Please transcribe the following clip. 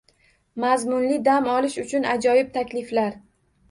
Mazmunli dam olish uchun ajoyib takliflar